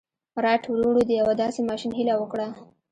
رایټ وروڼو د یوه داسې ماشين هیله وکړه